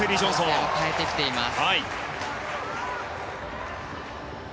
構成を変えてきています。